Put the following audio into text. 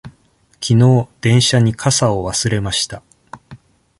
きのう電車に傘を忘れました。